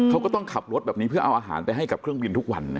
เขาก็ต้องขับรถแบบนี้เพื่อเอาอาหารไปให้กับเครื่องบินทุกวันนะ